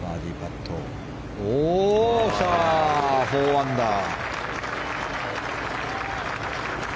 ４アンダー。